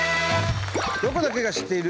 「ロコだけが知っている」。